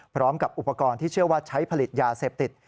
พร้อมกับอุปกรณ์ที่เชื่อว่าใช้ผลิตยาเสพติด